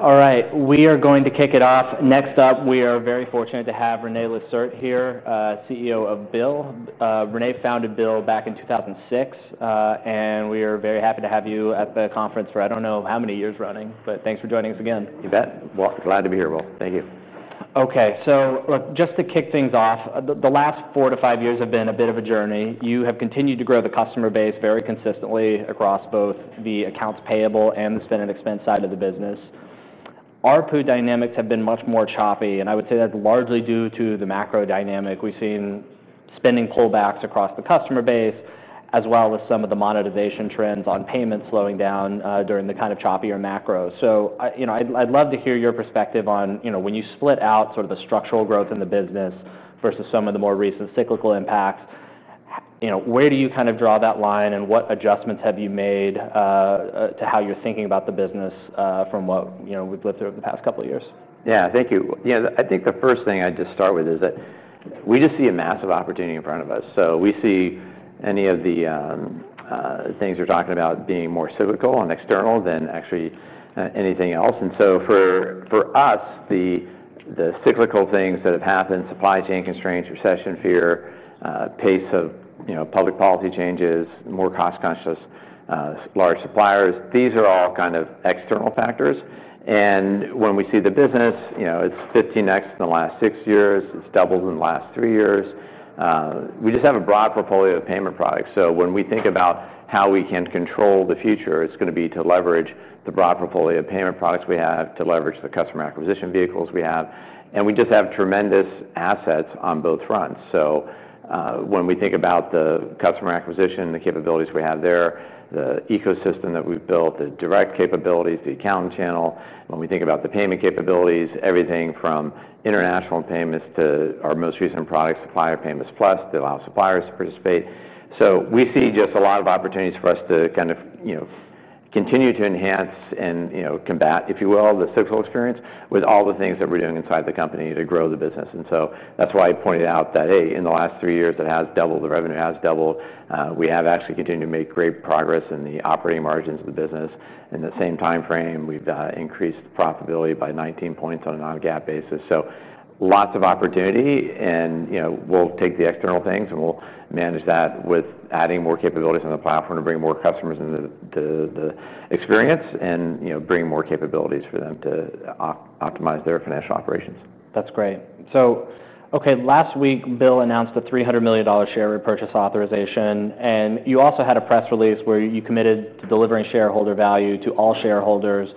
All right, we are going to kick it off. Next up, we are very fortunate to have René Lacerte here, CEO of BILL. René founded BILL back in 2006, and we are very happy to have you at the conference for I don't know how many years running. Thanks for joining us again. You bet. Glad to be here, Will. Thank you. OK, so look, just to kick things off, the last four to five years have been a bit of a journey. You have continued to grow the customer base very consistently across both the accounts payable automation and the spend and expense management side of the business. Our pool dynamics have been much more choppy, and I would say that's largely due to the macro dynamic. We've seen spending pullbacks across the customer base, as well as some of the monetization trends on payments slowing down during the kind of choppier macro. I'd love to hear your perspective on when you split out sort of the structural growth in the business versus some of the more recent cyclical impacts. Where do you kind of draw that line, and what adjustments have you made to how you're thinking about the business from what we've lived through over the past couple of years? Yeah, thank you. I think the first thing I'd just start with is that we just see a massive opportunity in front of us. We see any of the things you're talking about being more cyclical and external than actually anything else. For us, the cyclical things that have happened: supply chain constraints, recession fear, pace of public policy changes, more cost-conscious large suppliers, these are all kind of external factors. When we see the business, it's 15x in the last six years. It's 2x in the last three years. We just have a broad portfolio of payment products. When we think about how we can control the future, it's going to be to leverage the broad portfolio of payment products we have, to leverage the customer acquisition vehicles we have. We just have tremendous assets on both fronts. When we think about the customer acquisition and the capabilities we have there, the ecosystem that we've built, the direct capabilities, the accounting channel, when we think about the payment capabilities, everything from international payments to our most recent product, Supplier Payments Plus, to allow suppliers to participate. We see just a lot of opportunities for us to kind of continue to enhance and combat, if you will, the cyclical experience with all the things that we're doing inside the company to grow the business. That's why I pointed out that, hey, in the last three years, it has 2x. The revenue has 2x. We have actually continued to make great progress in the operating margins of the business. In the same time frame, we've increased profitability by 19 percentage points on a on-GAAP basis. Lots of opportunity. We'll take the external things, and we'll manage that with adding more capabilities on the platform to bring more customers into the experience and bring more capabilities for them to optimize their financial operations. That's great. Last week, BILL announced the $300 million share repurchase authorization. You also had a press release where you committed to delivering shareholder value to all shareholders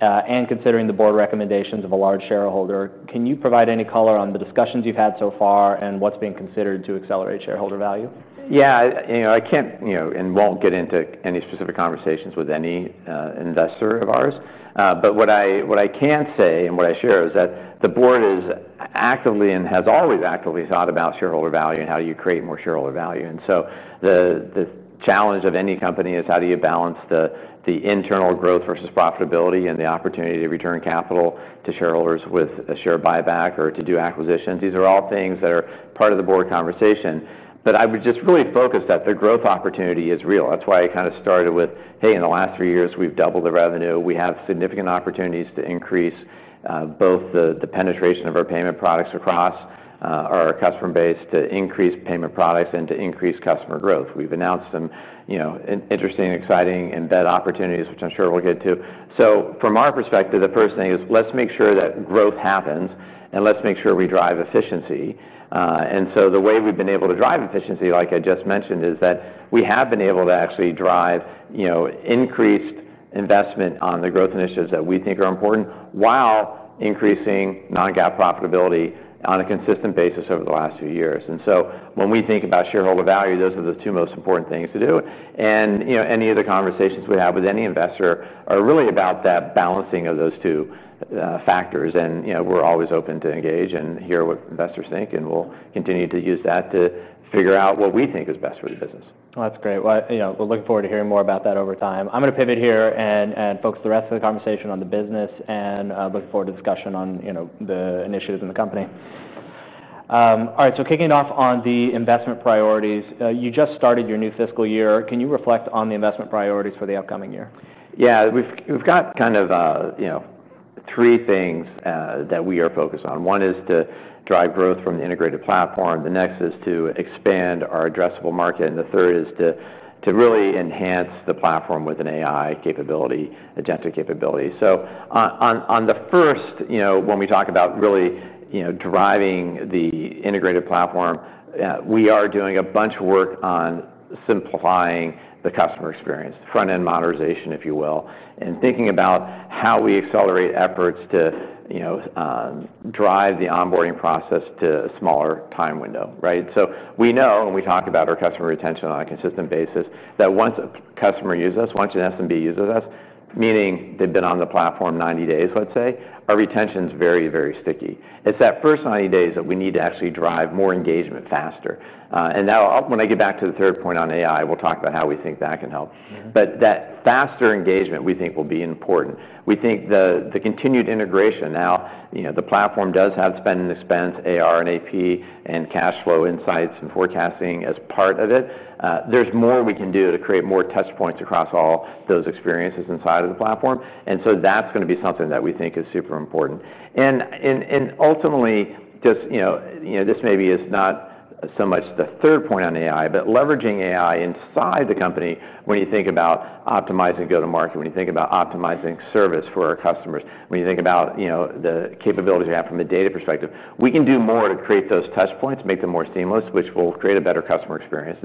and considering the board recommendations of a large shareholder. Can you provide any color on the discussions you've had so far and what's being considered to accelerate shareholder value? Yeah, I can't and won't get into any specific conversations with any investor of ours. What I can say and what I share is that the board is actively and has always actively thought about shareholder value and how you create more shareholder value. The challenge of any company is how you balance the internal growth versus profitability and the opportunity to return capital to shareholders with a share buyback or to do acquisitions. These are all things that are part of the board conversation. I would just really focus that the growth opportunity is real. That's why I kind of started with, hey, in the last three years, we've doubled the revenue. We have significant opportunities to increase both the penetration of our payment products across our customer base, to increase payment products, and to increase customer growth. We've announced some interesting, exciting embed opportunities, which I'm sure we'll get to. From our perspective, the first thing is let's make sure that growth happens, and let's make sure we drive efficiency. The way we've been able to drive efficiency, like I just mentioned, is that we have been able to actually drive increased investment on the growth initiatives that we think are important while increasing non-GAAP profitability on a consistent basis over the last few years. When we think about shareholder value, those are the two most important things to do. Any of the conversations we have with any investor are really about that balancing of those two factors. We're always open to engage and hear what investors think. We'll continue to use that to figure out what we think is best for the business. That's great. We're looking forward to hearing more about that over time. I'm going to pivot here and focus the rest of the conversation on the business and look forward to discussion on the initiative in the company. All right, kicking off on the investment priorities, you just started your new fiscal year. Can you reflect on the investment priorities for the upcoming year? Yeah, we've got kind of three things that we are focused on. One is to drive growth from the integrated platform. The next is to expand our addressable market. The third is to really enhance the platform with an AI capability, agentic capability. On the first, when we talk about really driving the integrated platform, we are doing a bunch of work on simplifying the customer experience, front-end modernization, if you will, and thinking about how we accelerate efforts to drive the onboarding process to a smaller time window. We know, when we talk about our customer retention on a consistent basis, that once a customer uses us, once an SMB uses us, meaning they've been on the platform 90 days, let's say, our retention is very, very sticky. It's that first 90 days that we need to actually drive more engagement faster. When I get back to the third point on AI, we'll talk about how we think that can help. That faster engagement we think will be important. We think the continued integration now, the platform does have spend and expense, AR and AP, and cash flow insights and forecasting as part of it. There's more we can do to create more touch points across all those experiences inside of the platform. That's going to be something that we think is super important. Ultimately, this maybe is not so much the third point on AI, but leveraging AI inside the company when you think about optimizing go-to-market, when you think about optimizing service for our customers, when you think about the capabilities you have from a data perspective, we can do more to create those touch points, make them more seamless, which will create a better customer experience.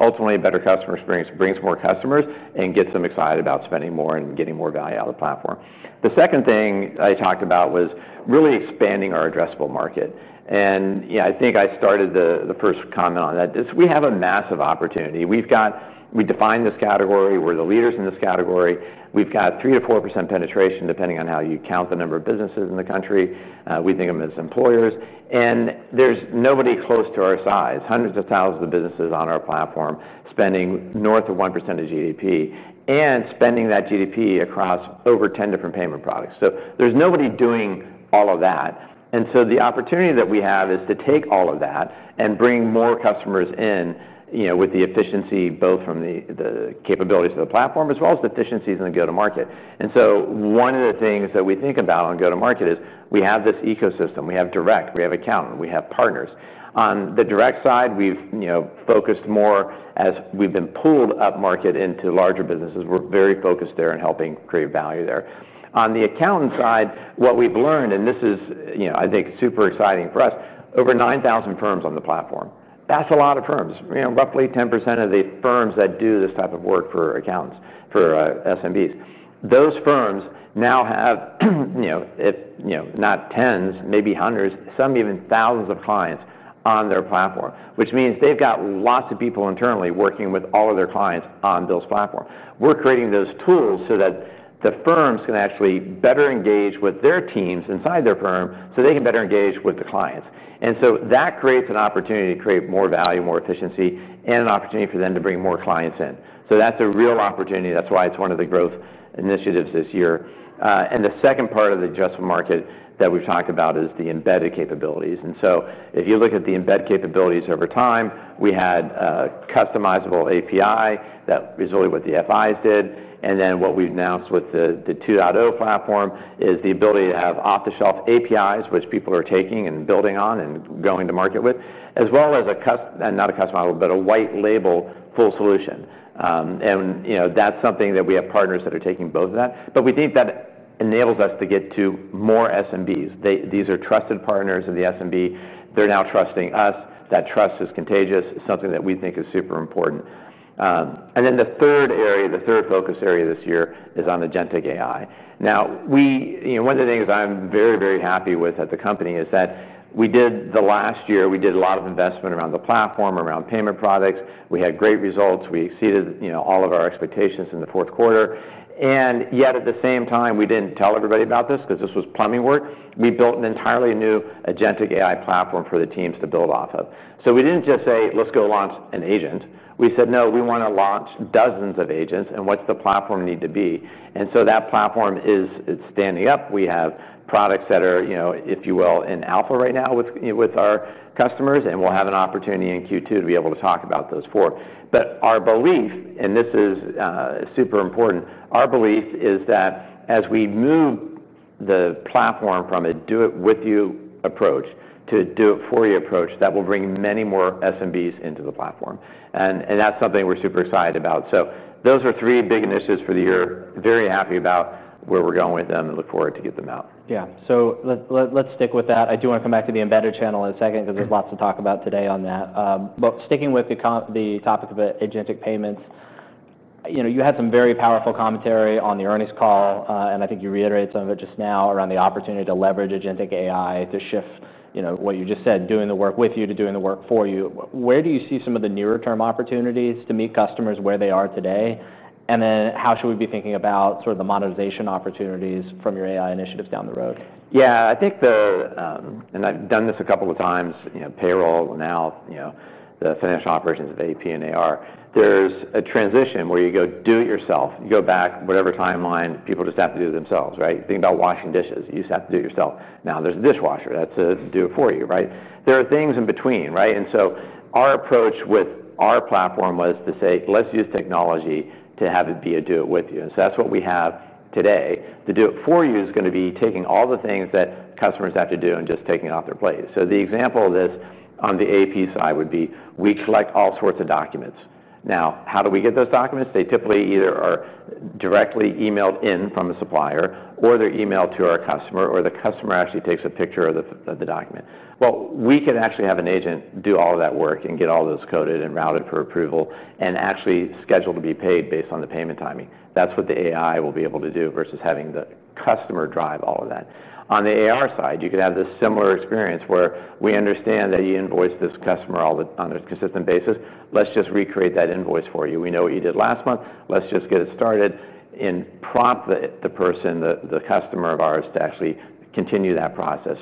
Ultimately, a better customer experience brings more customers and gets them excited about spending more and getting more value out of the platform. The second thing I talked about was really expanding our addressable market. I think I started the first comment on that. We have a massive opportunity. We define this category. We're the leaders in this category. We've got 3%-4% penetration, depending on how you count the number of businesses in the country. We think of them as employers. There's nobody close to our size, 100,000s of businesses on our platform, spending north of 1% of GDP and spending that GDP across over 10 different payment products. There's nobody doing all of that. The opportunity that we have is to take all of that and bring more customers in with the efficiency both from the capabilities of the platform as well as the efficiencies in the go-to-market. One of the things that we think about on go-to-market is we have this ecosystem. We have direct. We have accounting. We have partners. On the direct side, we've focused more as we've been pulled up market into larger businesses. We're very focused there in helping create value there. On the accountant side, what we've learned, and this is, I think, super exciting for us, over 9,000 firms on the platform. That's a lot of firms. Roughly 10% of the firms that do this type of work for accountants, for SMBs, those firms now have, if not 10s, maybe 100s, some even 1000s of clients on their platform, which means they've got lots of people internally working with all of their clients on BILL's platform. We're creating those tools so that the firms can actually better engage with their teams inside their firm so they can better engage with the clients. That creates an opportunity to create more value, more efficiency, and an opportunity for them to bring more clients in. That's a real opportunity. That's why it's one of the growth initiatives this year. The second part of the addressable market that we've talked about is the embedded capabilities. If you look at the embedded capabilities over time, we had a customizable API that resulted in what the FIs did. What we've announced with the 2.0 platform is the ability to have off-the-shelf APIs, which people are taking and building on and going to market with, as well as a white-label full solution. That's something that we have partners that are taking both of that. We think that enables us to get to more SMBs. These are trusted partners of the SMB. They're now trusting us. That trust is contagious. It's something that we think is super important. The third area, the third focus area this year is on agentic AI. One of the things I'm very, very happy with at the company is that last year, we did a lot of investment around the platform, around payment products. We had great results. We exceeded all of our expectations in the fourth quarter. At the same time, we didn't tell everybody about this because this was plumbing work. We built an entirely new agentic AI platform for the teams to build off of. We didn't just say, let's go launch an agent. We said, no, we want to launch dozens of agents. What's the platform need to be? That platform is standing up. We have products that are, if you will, in alpha right now with our customers. We'll have an opportunity in Q2 to be able to talk about those forward. Our belief, and this is super important, our belief is that as we move the platform from a do-it-with-you approach to a do-it-for-you approach, that will bring many more SMBs into the platform. That's something we're super excited about. Those are three big initiatives for the year. Very happy about where we're going with them. I look forward to get them out. Yeah, let's stick with that. I do want to come back to the embedded channel in a second because there's lots to talk about today on that. Sticking with the topic of agentic payments, you had some very powerful commentary on the earnings call. I think you reiterated some of it just now around the opportunity to leverage agentic AI to shift, what you just said, doing the work with you to doing the work for you. Where do you see some of the nearer-term opportunities to meet customers where they are today? How should we be thinking about the modernization opportunities from your AI initiatives down the road? Yeah, I think the, and I've done this a couple of times, payroll and now the financial operations of AP and AR, there's a transition where you go do it yourself. You go back, whatever timeline, people just have to do it themselves. Think about washing dishes. You used to have to do it yourself. Now there's a dishwasher that's a do-it-for-you. There are things in between. Our approach with our platform was to say, let's use technology to have it be a do-it-with-you. That's what we have today. The do-it-for-you is going to be taking all the things that customers have to do and just taking it off their plate. The example of this on the AP side would be we collect all sorts of documents. How do we get those documents? They typically either are directly emailed in from a supplier, or they're emailed to our customer, or the customer actually takes a picture of the document. We could actually have an agent do all of that work and get all those coded and routed for approval and actually schedule to be paid based on the payment timing. That's what the AI will be able to do versus having the customer drive all of that. On the AR side, you could have this similar experience where we understand that you invoice this customer on a consistent basis. Let's just recreate that invoice for you. We know what you did last month. Let's just get it started and prompt the person, the customer of ours, to actually continue that process.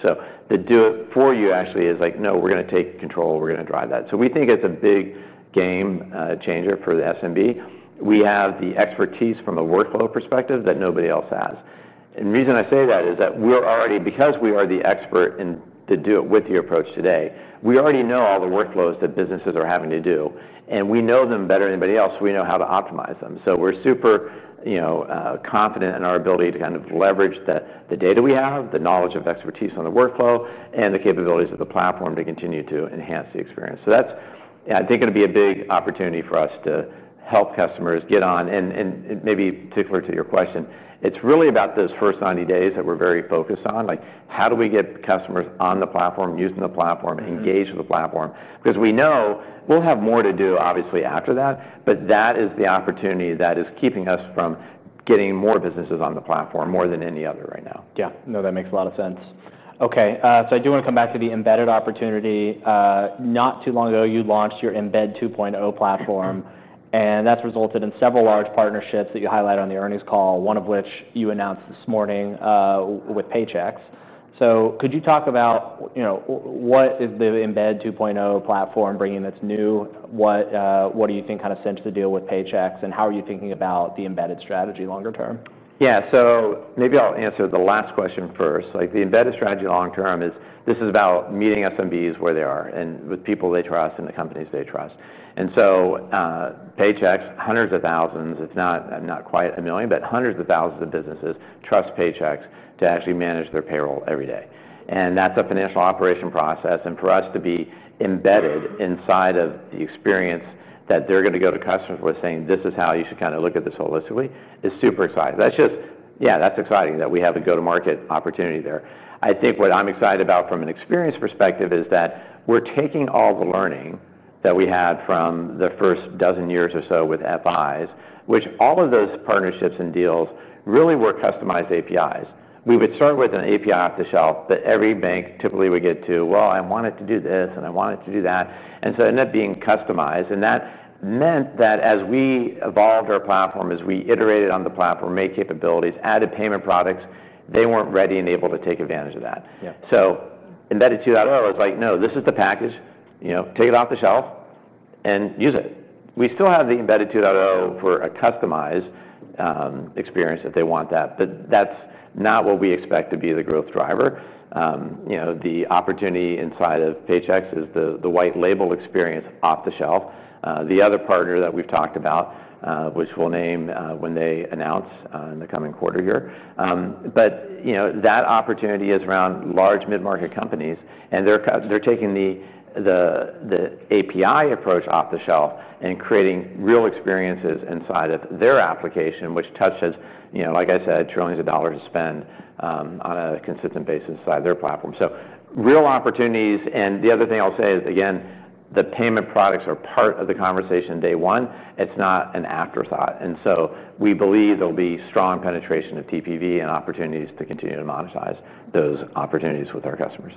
The do-it-for-you actually is like, no, we're going to take control. We're going to drive that. We think it's a big game changer for the SMB. We have the expertise from a workflow perspective that nobody else has. The reason I say that is that we're already, because we are the expert in the do-it-with-you approach today, we already know all the workflows that businesses are having to do. We know them better than anybody else. We know how to optimize them. We're super confident in our ability to kind of leverage the data we have, the knowledge of expertise on the workflow, and the capabilities of the platform to continue to enhance the experience. That's, I think, going to be a big opportunity for us to help customers get on. Maybe particular to your question, it's really about those first 90 days that we're very focused on. How do we get customers on the platform, using the platform, engaged with the platform? We know we'll have more to do, obviously, after that. That is the opportunity that is keeping us from getting more businesses on the platform, more than any other right now. Yeah, no, that makes a lot of sense. OK, I do want to come back to the embedded opportunity. Not too long ago, you launched your Embed 2.0 platform, and that's resulted in several large partnerships that you highlight on the earnings call, one of which you announced this morning with Paychex. Could you talk about what the Embed 2.0 platform is bringing that's new? What do you think kind of cinched the deal with Paychex? How are you thinking about the embedded strategy longer term? Yeah, maybe I'll answer the last question first. The embedded strategy long term is this is about meeting SMBs where they are and with people they trust and the companies they trust. Paychex, 100,000s, if not quite 1,000,000 but 100,000s of businesses trust Paychex to actually manage their payroll every day. That's a financial operation process. For us to be embedded inside of the experience that they're going to go to customers with, saying this is how you should kind of look at this holistically, is super exciting. That's exciting that we have a go-to-market opportunity there. What I'm excited about from an experience perspective is that we're taking all the learning that we had from the first dozen years or so with FIs, which all of those partnerships and deals really were customized APIs. We would start with an API off the shelf that every bank typically would get to, well, I want it to do this, and I want it to do that. It ended up being customized. That meant that as we evolved our platform, as we iterated on the platform, made capabilities, added payment products, they weren't ready and able to take advantage of that. Embedded 2.0 is like, no, this is the package. Take it off the shelf and use it. We still have the Embedded 2.0 for a customized experience if they want that, but that's not what we expect to be the growth driver. The opportunity inside of Paychex is the white-label experience off the shelf. The other partner that we've talked about, which we'll name when they announce in the coming quarter here, that opportunity is around large mid-market companies. They're taking the API approach off the shelf and creating real experiences inside of their application, which touches, like I said, $1,000,000,000,000s of spend on a consistent basis inside their platform. Real opportunities. The other thing I'll say is, again, the payment products are part of the conversation day one. It's not an afterthought. We believe there'll be strong penetration of TPV and opportunities to continue to monetize those opportunities with our customers.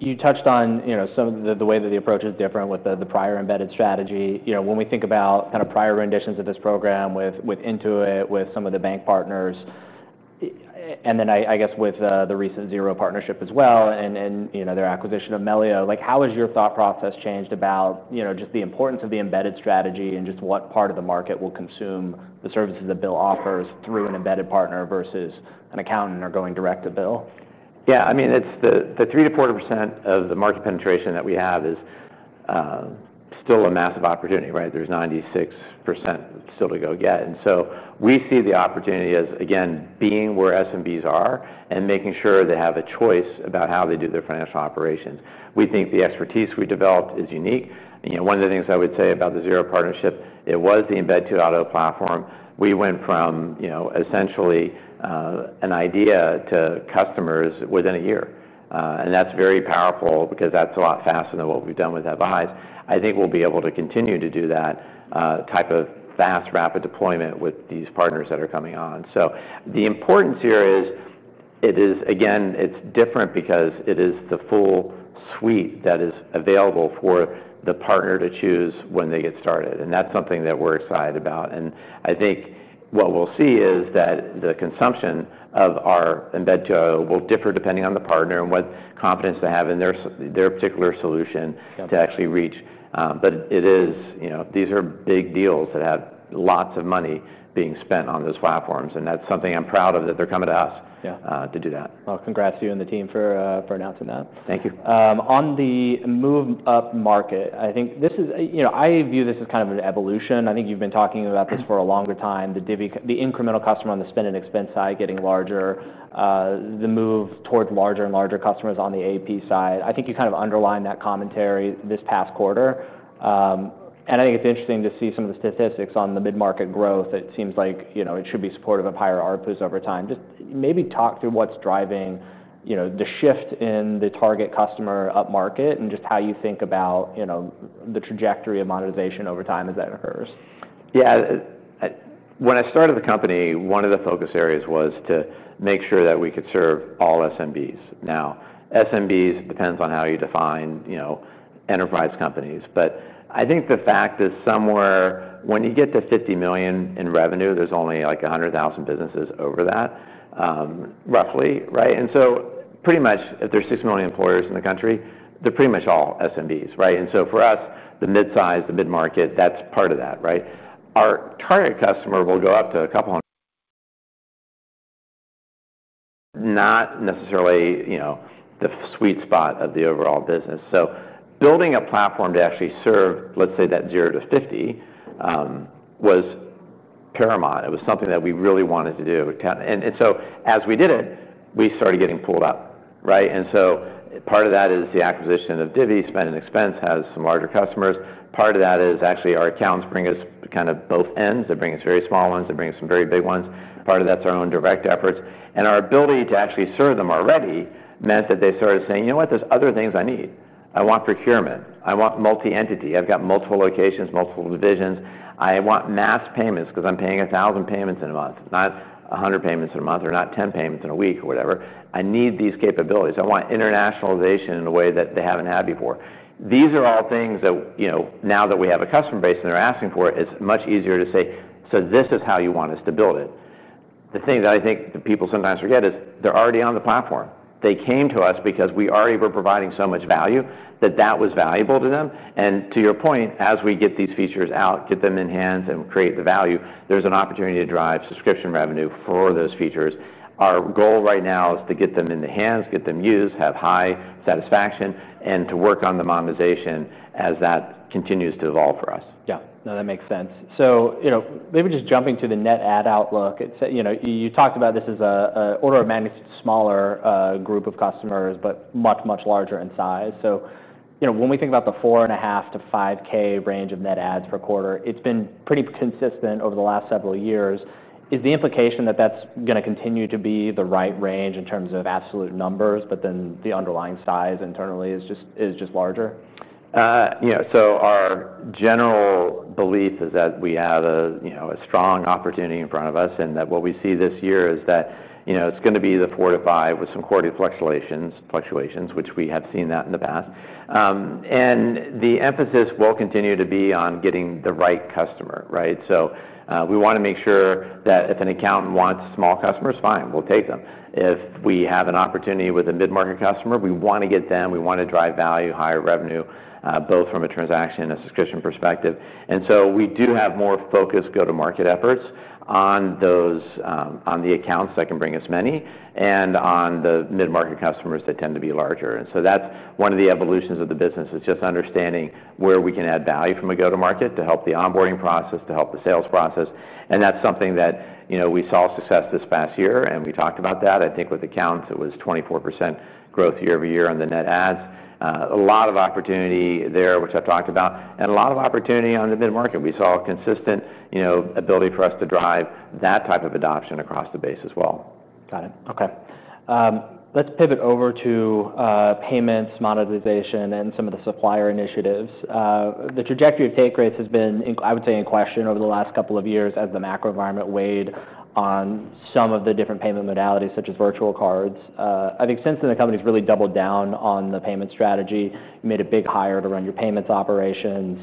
You touched on some of the way that the approach is different with the prior embedded strategy. When we think about kind of prior renditions of this program with Intuit, with some of the bank partners, and then with the recent Xero partnership as well, and their acquisition of Melio, how has your thought process changed about just the importance of the embedded strategy and what part of the market will consume the services that BILL offers through an embedded partner versus an accountant or going direct to BILL? Yeah, I mean, the 3%-4% of the market penetration that we have is still a massive opportunity, right? There's 96% still to go get. We see the opportunity as, again, being where SMBs are and making sure they have a choice about how they do their financial operations. We think the expertise we developed is unique. One of the things I would say about the Xero partnership, it was the Embed 2.0 OAuth platform. We went from essentially an idea to customers within a year. That's very powerful because that's a lot faster than what we've done with FIs. I think we'll be able to continue to do that type of fast, rapid deployment with these partners that are coming on. The importance here is, it is, again, it's different because it is the full suite that is available for the partner to choose when they get started. That's something that we're excited about. I think what we'll see is that the consumption of our Embed 2.0 will differ depending on the partner and what confidence they have in their particular solution to actually reach. These are big deals that have lots of money being spent on those platforms. That's something I'm proud of that they're coming to us to do that. Congratulations to you and the team for announcing that. Thank you. On the move up market, I think I view this as kind of an evolution. I think you've been talking about this for a longer time, the incremental customer on the spend and expense side getting larger, the move towards larger and larger customers on the AP side. You kind of underlined that commentary this past quarter. It is interesting to see some of the statistics on the mid-market growth. It seems like it should be supportive of higher ARPUs over time. Just maybe talk through what's driving the shift in the target customer up market and how you think about the trajectory of monetization over time as that occurs. Yeah, when I started the company, one of the focus areas was to make sure that we could serve all SMBs. Now, SMBs depends on how you define enterprise companies. I think the fact is somewhere when you get to $50 million in revenue, there's only like 100,000 businesses over that, roughly. Pretty much if there's 6 million employers in the country, they're pretty much all SMBs. For us, the mid-size, the mid-market, that's part of that. Our target customer will go up to a couple hundred, not necessarily the sweet spot of the overall business. Building a platform to actually serve, let's say, that 0-50 million was paramount. It was something that we really wanted to do. As we did it, we started getting pulled up. Part of that is the acquisition of Divvy, BILL Spend and Expense, has some larger customers. Part of that is actually our accounts bring us kind of both ends. They bring us very small ones. They bring us some very big ones. Part of that's our own direct efforts. Our ability to actually serve them already meant that they started saying, you know what? There's other things I need. I want procurement. I want multi-entity. I've got multiple locations, multiple divisions. I want mass payments because I'm paying 1,000 payments in a month, not 100 payments in a month or not 10 payments in a week or whatever. I need these capabilities. I want internationalization in a way that they haven't had before. These are all things that now that we have a customer base and they're asking for it, it's much easier to say, so this is how you want us to build it. The thing that I think that people sometimes forget is they're already on the platform. They came to us because we already were providing so much value that that was valuable to them. To your point, as we get these features out, get them in hands, and create the value, there's an opportunity to drive subscription revenue for those features. Our goal right now is to get them in the hands, get them used, have high satisfaction, and to work on the monetization as that continues to evolve for us. Yeah, no, that makes sense. Maybe just jumping to the net ad outlook, you talked about this as an order of magnitude smaller group of customers, but much, much larger in size. When we think about the $4,500 to $5,000 range of net ads per quarter, it's been pretty consistent over the last several years. Is the implication that that's going to continue to be the right range in terms of absolute numbers, but then the underlying size internally is just larger? Our general belief is that we have a strong opportunity in front of us. What we see this year is that it's going to be the four to five with some quarterly fluctuations, which we have seen in the past. The emphasis will continue to be on getting the right customer. We want to make sure that if an accountant wants small customers, fine, we'll take them. If we have an opportunity with a mid-market customer, we want to get them. We want to drive value, higher revenue, both from a transaction and a subscription perspective. We do have more focused go-to-market efforts on the accounts that can bring us many and on the mid-market customers that tend to be larger. That's one of the evolutions of the business, just understanding where we can add value from a go-to-market to help the onboarding process, to help the sales process. That's something that we saw success this past year, and we talked about that. I think with accounts, it was 24% growth year-over-year on the net ads. A lot of opportunity there, which I've talked about, and a lot of opportunity on the mid-market. We saw a consistent ability for us to drive that type of adoption across the base as well. Got it. OK, let's pivot over to payments, monetization, and some of the supplier initiatives. The trajectory of take rates has been, I would say, in question over the last couple of years as the macro environment weighed on some of the different payment modalities, such as virtual cards. I think since then, the company's really doubled down on the payment strategy, made a big hire to run your payments operations.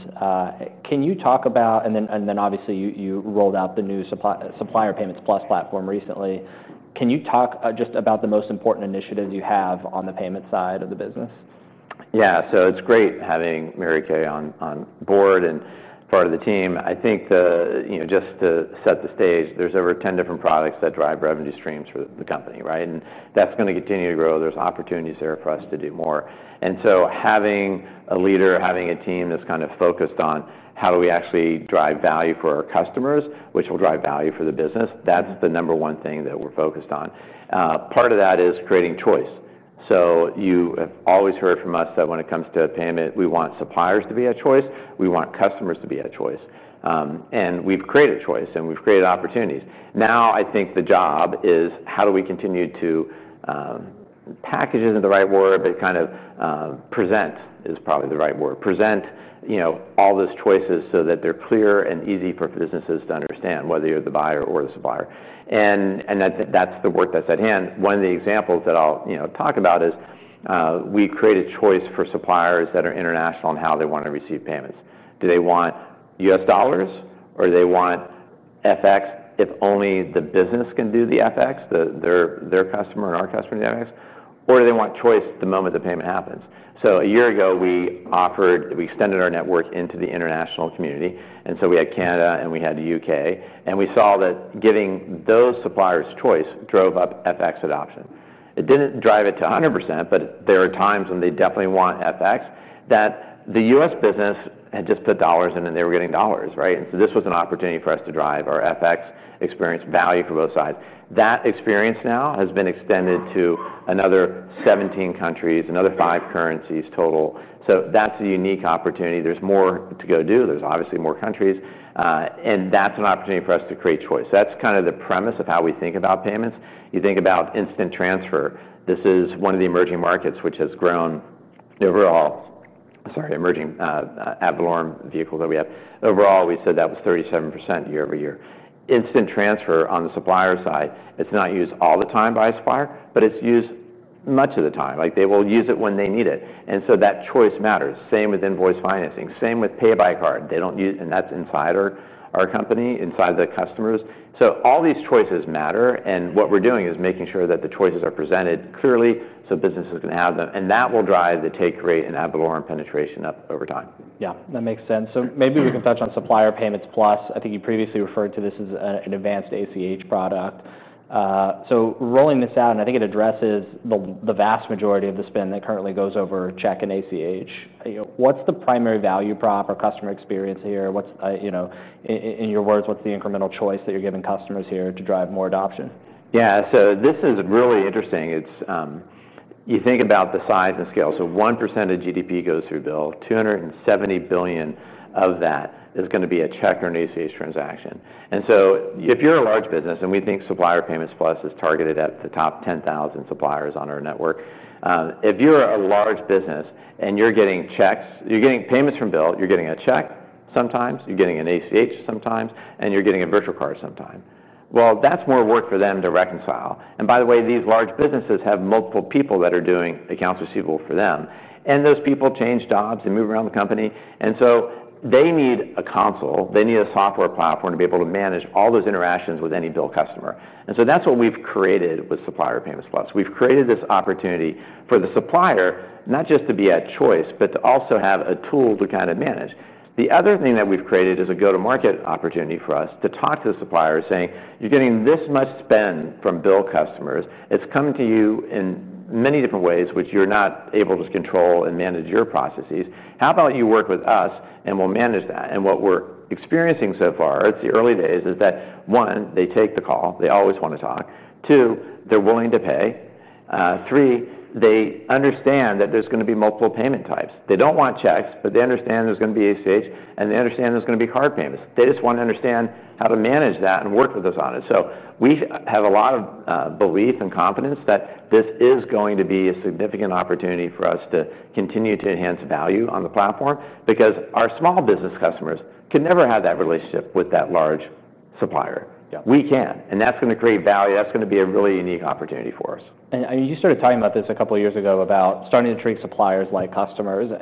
Can you talk about, and then obviously you rolled out the new Supplier Payments Plus platform recently, can you talk just about the most important initiatives you have on the payment side of the business? Yeah, so it's great having Mary Kay on board and part of the team. I think just to set the stage, there's over 10 different products that drive revenue streams for the company, and that's going to continue to grow. There's opportunities there for us to do more. Having a leader, having a team that's kind of focused on how do we actually drive value for our customers, which will drive value for the business, that's the number one thing that we're focused on. Part of that is creating choice. You have always heard from us that when it comes to payment, we want suppliers to be a choice. We want customers to be a choice. We've created a choice, and we've created opportunities. Now, I think the job is how do we continue to package isn't the right word, but kind of present is probably the right word, present all those choices so that they're clear and easy for businesses to understand, whether you're the buyer or the supplier. That's the work that's at hand. One of the examples that I'll talk about is we create a choice for suppliers that are international in how they want to receive payments. Do they want U.S. dollars, or do they want FX if only the business can do the FX, their customer and our customer do the FX? Or do they want choice the moment the payment happens? A year ago, we extended our network into the international community. We had Canada, and we had the U.K. We saw that giving those suppliers choice drove up FX adoption. It didn't drive it to 100%, but there are times when they definitely want FX that the U.S. business had just put dollars in, and they were getting dollars. This was an opportunity for us to drive our FX experience value for both sides. That experience now has been extended to another 17 countries, another five currencies total. That's a unique opportunity. There's more to go do. There's obviously more countries, and that's an opportunity for us to create choice. That's kind of the premise of how we think about payments. You think about instant transfer. This is one of the emerging markets, which has grown overall. Sorry, emerging average norm vehicle that we have. Overall, we said that was 37% year-over-year. Instant transfer on the supplier side, it's not used all the time by a supplier, but it's used much of the time. They will use it when they need it, and that choice matters. Same with invoice financing. Same with pay by card. They don't use it, and that's inside our company, inside the customers. All these choices matter. What we're doing is making sure that the choices are presented clearly so businesses can have them, and that will drive the take rate and average norm penetration up over time. Yeah, that makes sense. Maybe we can touch on Supplier Payments Plus. I think you previously referred to this as an advanced ACH product. Rolling this out, I think it addresses the vast majority of the spend that currently goes over check and ACH. What's the primary value prop or customer experience here? In your words, what's the incremental choice that you're giving customers here to drive more adoption? Yeah, so this is really interesting. You think about the size and scale. So 1% of GDP goes through BILL. $270 billion of that is going to be a check or an ACH transaction. If you're a large business, and we think Supplier Payments Plus is targeted at the top 10,000 suppliers on our network, if you're a large business and you're getting checks, you're getting payments from BILL, you're getting a check sometimes, you're getting an ACH sometimes, and you're getting a virtual card sometime. That's more work for them to reconcile. By the way, these large businesses have multiple people that are doing accounts receivable for them. Those people change jobs and move around the company. They need a console. They need a software platform to be able to manage all those interactions with any BILL customer. That's what we've created with Supplier Payments Plus. We've created this opportunity for the supplier not just to be at choice, but to also have a tool to kind of manage. The other thing that we've created is a go-to-market opportunity for us to talk to the suppliers saying, you're getting this much spend from BILL customers. It's coming to you in many different ways, which you're not able to just control and manage your processes. How about you work with us, and we'll manage that. What we're experiencing so far, it's the early days, is that, one, they take the call. They always want to talk. Two, they're willing to pay. Three, they understand that there's going to be multiple payment types. They don't want checks, but they understand there's going to be ACH, and they understand there's going to be card payments. They just want to understand how to manage that and work with us on it. We have a lot of belief and confidence that this is going to be a significant opportunity for us to continue to enhance value on the platform because our small business customers can never have that relationship with that large supplier. We can. That's going to create value. That's going to be a really unique opportunity for us. You started talking about this a couple of years ago about starting to treat suppliers like customers. I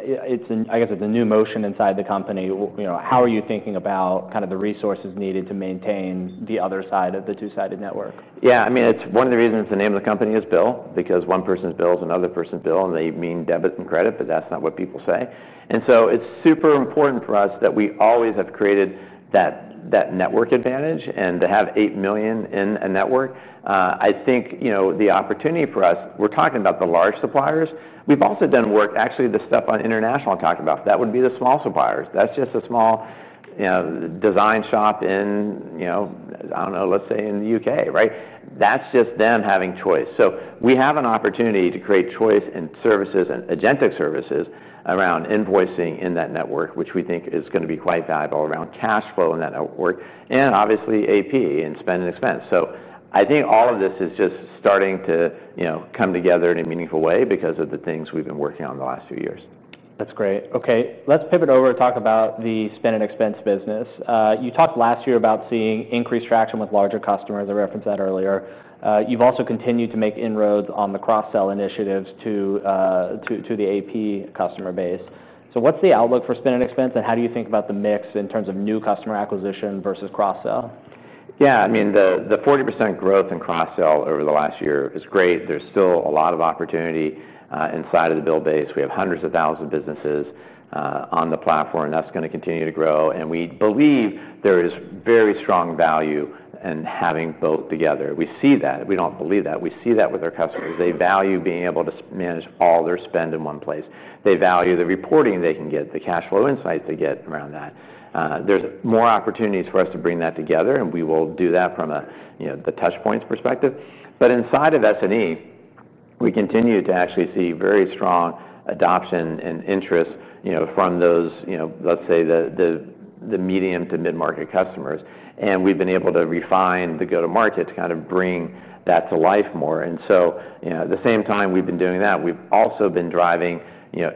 guess it's a new motion inside the company. How are you thinking about kind of the resources needed to maintain the other side of the two-sided network? Yeah, I mean, it's one of the reasons the name of the company is BILL because one person's BILL is another person's BILL, and they mean debit and credit, but that's not what people say. It's super important for us that we always have created that network advantage. To have 8 million in a network, I think the opportunity for us, we're talking about the large suppliers. We've also done work, actually, the stuff on international I'm talking about. That would be the small suppliers. That's just a small design shop in, I don't know, let's say in the U.K. That's just them having choice. We have an opportunity to create choice and services and agentic services around invoicing in that network, which we think is going to be quite valuable around cash flow in that network, and obviously AP and spend and expense. I think all of this is just starting to come together in a meaningful way because of the things we've been working on the last few years. That's great. OK, let's pivot over and talk about the spend and expense business. You talked last year about seeing increased traction with larger customers. I referenced that earlier. You've also continued to make inroads on the cross-sell initiatives to the AP customer base. What's the outlook for spend and expense, and how do you think about the mix in terms of new customer acquisition versus cross-sell? Yeah, I mean, the 40% growth in cross-sell over the last year is great. There's still a lot of opportunity inside of the BILL base. We have hundreds of thousands of businesses on the platform, and that's going to continue to grow. We believe there is very strong value in having both together. We see that. We don't believe that. We see that with our customers. They value being able to manage all their spend in one place. They value the reporting they can get, the cash flow insights they get around that. There are more opportunities for us to bring that together, and we will do that from the touch points perspective. Inside of SME, we continue to actually see very strong adoption and interest from those, let's say, the medium to mid-market customers. We've been able to refine the go-to-market to kind of bring that to life more. At the same time we've been doing that, we've also been driving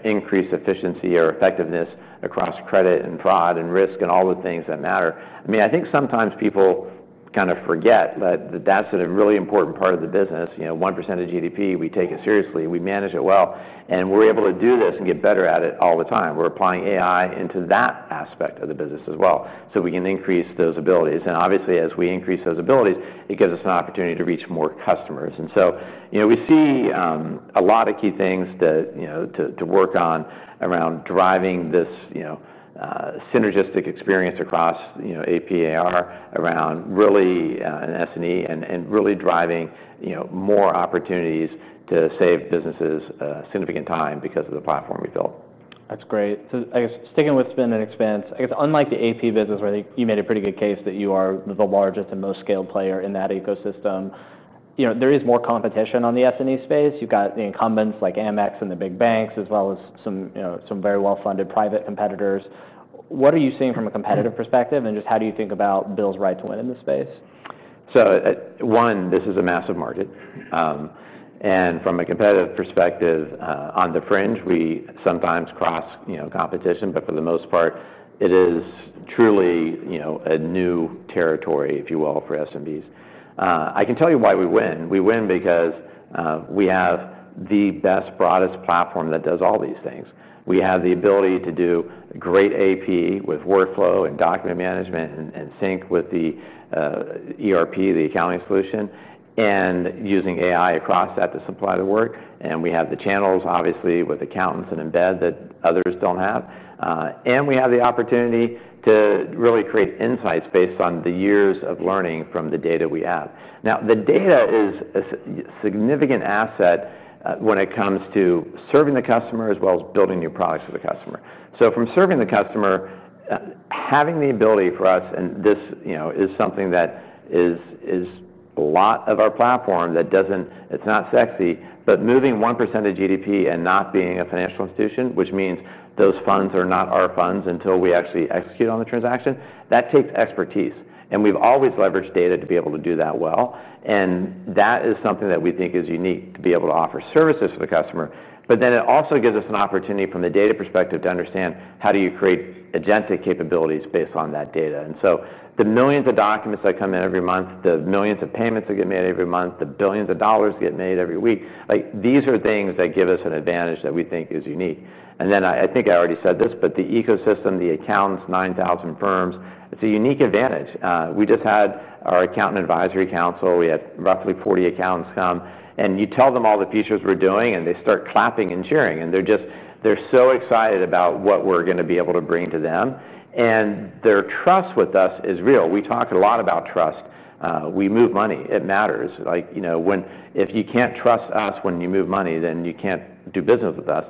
increased efficiency or effectiveness across credit and fraud and risk and all the things that matter. I think sometimes people kind of forget that that's a really important part of the business. 1% of GDP, we take it seriously. We manage it well. We're able to do this and get better at it all the time. We're applying AI into that aspect of the business as well so we can increase those abilities. Obviously, as we increase those abilities, it gives us an opportunity to reach more customers. We see a lot of key things to work on around driving this synergistic experience across APAAR around really an SME and really driving more opportunities to save businesses significant time because of the platform we've built. That's great. I guess sticking with spend and expense, unlike the AP business, where you made a pretty good case that you are the largest and most scaled player in that ecosystem, there is more competition on the SME space. You've got the incumbents like AMEX and the big banks, as well as some very well-funded private competitors. What are you seeing from a competitive perspective? Just how do you think about BILL's right to win in this space? This is a massive market. From a competitive perspective, on the fringe, we sometimes cross competition, but for the most part, it is truly a new territory, if you will, for SMBs. I can tell you why we win. We win because we have the best, broadest platform that does all these things. We have the ability to do great AP with workflow and document management and sync with the ERP, the accounting solution, and using AI across that to supply the work. We have the channels, obviously, with accountants and Embed that others don't have. We have the opportunity to really create insights based on the years of learning from the data we have. The data is a significant asset when it comes to serving the customer as well as building new products for the customer. From serving the customer, having the ability for us, and this is something that is a lot of our platform that doesn't, it's not sexy, but moving 1% of GDP and not being a financial institution, which means those funds are not our funds until we actually execute on the transaction, that takes expertise. We've always leveraged data to be able to do that well. That is something that we think is unique to be able to offer services for the customer. It also gives us an opportunity from the data perspective to understand how do you create agentic capabilities based on that data. The millions of documents that come in every month, the millions of payments that get made every month, the billions of dollars that get made every week, these are things that give us an advantage that we think is unique. I think I already said this, but the ecosystem, the accounts, 9,000 firms, it's a unique advantage. We just had our Accountant Advisory Council. We had roughly 40 accountants come. You tell them all the features we're doing, and they start clapping and cheering. They're just so excited about what we're going to be able to bring to them. Their trust with us is real. We talk a lot about trust. We move money. It matters. If you can't trust us when you move money, then you can't do business with us.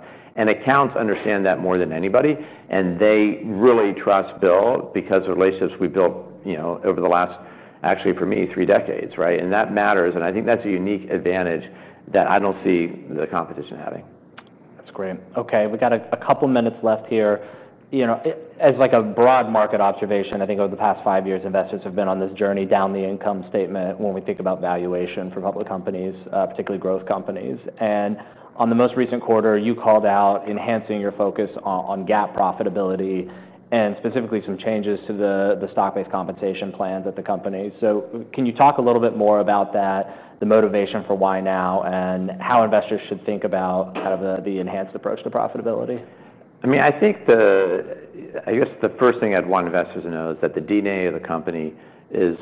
Accounts understand that more than anybody. They really trust BILL because of relationships we built over the last, actually, for me, three decades. That matters. I think that's a unique advantage that I don't see the competition having. That's great. OK, we've got a couple of minutes left here. As a broad market observation, I think over the past five years, investors have been on this journey down the income statement when we think about valuation for public companies, particularly growth companies. In the most recent quarter, you called out enhancing your focus on GAAP profitability and specifically some changes to the stock-based compensation plans at the company. Can you talk a little bit more about that, the motivation for why now, and how investors should think about kind of the enhanced approach to profitability? I think the first thing I'd want investors to know is that the DNA of the company is,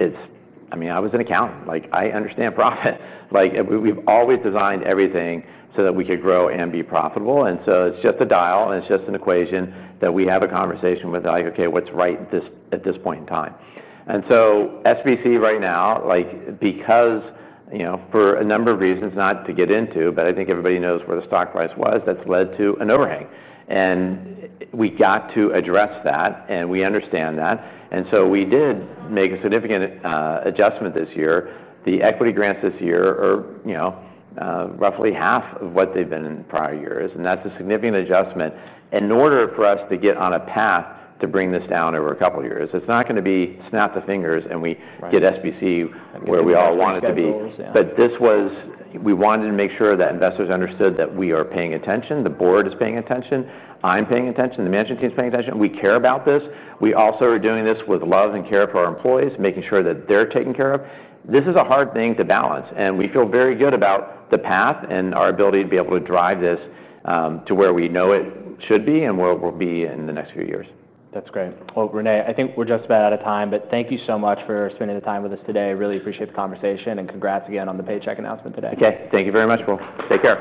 I was an accountant. I understand profit. We've always designed everything so that we could grow and be profitable. It's just a dial, and it's just an equation that we have a conversation with, like, OK, what's right at this point in time? SBC right now, because for a number of reasons not to get into, but I think everybody knows where the stock price was, that's led to an overhang. We got to address that, and we understand that. We did make a significant adjustment this year. The equity grants this year are roughly half of what they've been in prior years. That's a significant adjustment in order for us to get on a path to bring this down over a couple of years. It's not going to be snap the fingers and we get SBC where we all want it to be. We wanted to make sure that investors understood that we are paying attention. The board is paying attention. I'm paying attention. The management team is paying attention. We care about this. We also are doing this with love and care for our employees, making sure that they're taken care of. This is a hard thing to balance. We feel very good about the path and our ability to be able to drive this to where we know it should be and where we'll be in the next few years. That's great. René, I think we're just about out of time. Thank you so much for spending the time with us today. I really appreciate the conversation. Congrats again on the Paychex announcement today. OK, thank you very much, Will. Take care.